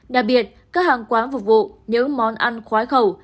đặc biệt các hàng quán phục vụ những món ăn khoái khẩu